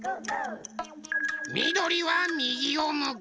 みどりはみぎをむく。